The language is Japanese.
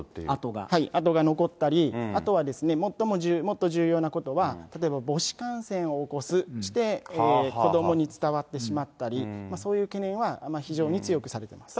痕が残ったり、あとはですね、もっと重要なことは、例えば母子感染を起こす、そして子どもに伝わってしまったり、そういう懸念は非常に強くされています。